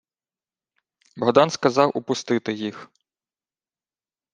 Богдан сказав упустити їх.